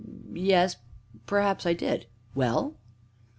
yes, perhaps I did well?"